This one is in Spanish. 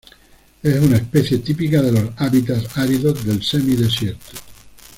Es una especie típica de los hábitats áridos del semi-desierto.